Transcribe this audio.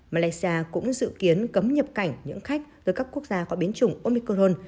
malaysia cũng dự kiến cấm nhập cảnh những khách tới các quốc gia có biến chủng omicron